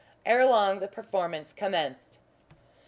Ere long the performance commenced.